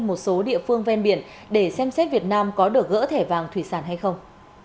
một số địa phương ven biển để xem xét việt nam có được gỡ thẻ vàng thủy sản hay không